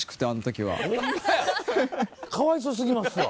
かわいそ過ぎますわ。